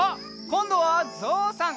こんどはぞうさん！